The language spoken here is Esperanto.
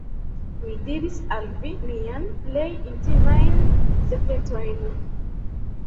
Mi diris al vi miajn plej intimajn sekretojn.